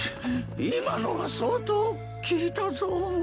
今のは相当効いたぞ。